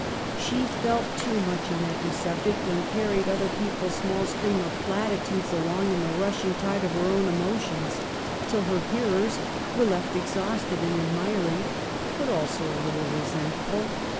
She felt too much on every subject, and car ried other people's small stream of platitudes along in the rushing tide of her own emotions, till her hearers were left exhausted and admiring, but also a little resentful.